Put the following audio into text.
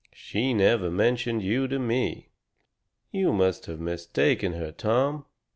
She never mentioned you to me." "You must have mistaken her, Tom."